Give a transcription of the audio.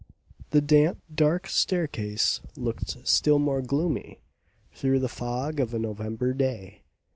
The damp, dark staircase looked still more gloomy through the fog of a November day.